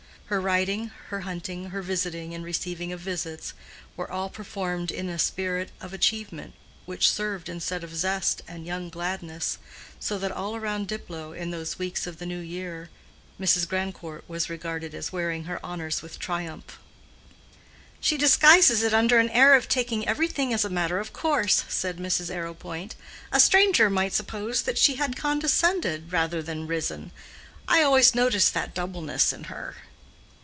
Her riding, her hunting, her visiting and receiving of visits, were all performed in a spirit of achievement which served instead of zest and young gladness, so that all around Diplow, in those weeks of the new year, Mrs. Grandcourt was regarded as wearing her honors with triumph. "She disguises it under an air of taking everything as a matter of course," said Mrs. Arrowpoint. "A stranger might suppose that she had condescended rather than risen. I always noticed that doubleness in her."